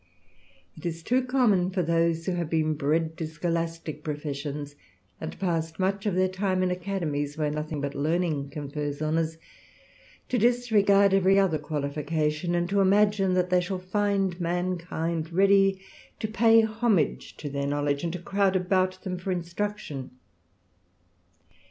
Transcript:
It is too common for those who have been bred to scholastick professions, and passed much of their time in academies where nothing but learning confers hbnours, to disregard every other qualification, and to imagine that they shall find mankind ready to pay homage to their knowledge, and to crowd about them for instruction.